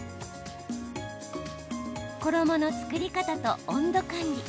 衣の作り方と温度管理。